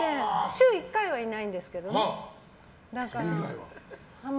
週１回はいないんですけどね。